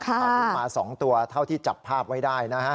ตอนนี้มา๒ตัวเท่าที่จับภาพไว้ได้นะฮะ